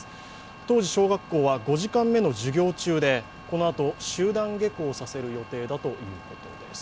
当時小学校は５時間目の授業中でこのあと、集団下校させる予定だということです。